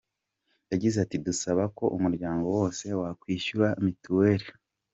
Yagize ati“Dusaba ko umuryango wose wakwishyura mituweli.